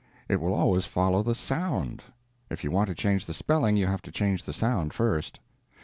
_ It will always follow the SOUND. If you want to change the spelling, you have to change the sound first.